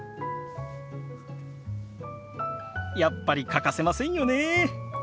やっぱり欠かせませんよねえ。